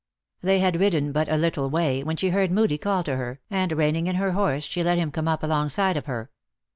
They had ridden but a little way, when she heard Moodie call to her, and reining in her horse, she let him come up alongside of her.